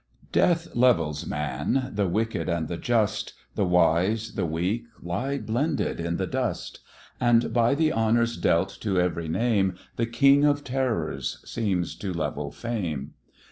Death levels man the wicked and the just, The wise, the weak, lie blended in the dust; And by the honours dealt to every name, The King of Terrors seems to level fame.